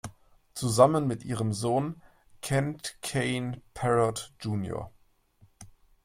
Zusammen mit ihrem Sohn Kent Kane Parrot jr.